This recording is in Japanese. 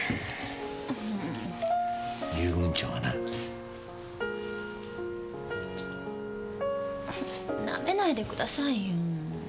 遊軍長がな。舐めないでくださいよ。